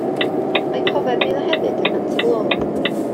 Mae cofeb iddo hefyd yn Nant-y-glo.